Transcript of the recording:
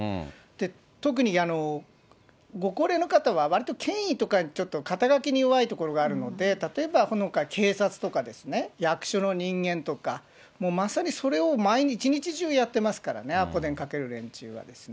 特に、ご高齢の方はわりと権威とかちょっと肩書きに弱いところがあるので、例えば、警察とかですね、役所の人間とか、まさにそれを一日中やってますからね、アポ電かける連中はですね。